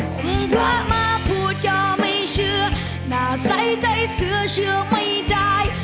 พระมาพูดก็ไม่เชื่อน่าใส่ใจเสื้อเชื่อไม่ได้